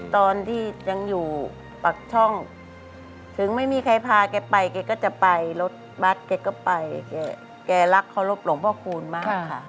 ตอนที่ยังอยู่ปากช่องถึงไม่มีใครพาแกไปแกก็จะไปรถบัตรแกก็ไปแกรักเคารพหลวงพ่อคูณมากค่ะ